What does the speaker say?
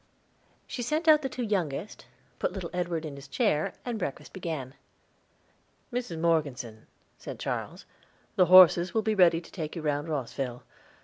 She sent out the two youngest, put little Edward in his chair, and breakfast began. "Mrs. Morgeson," said Charles, "the horses will be ready to take you round Rosville.